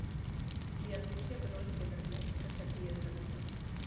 Li anuncia que no li queden més que set dies de vida.